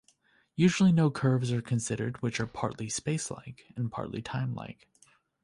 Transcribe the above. Usually no curves are considered which are partly spacelike and partly timelike.